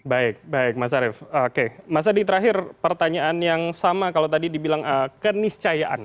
baik baik mas arief oke mas adi terakhir pertanyaan yang sama kalau tadi dibilang keniscayaan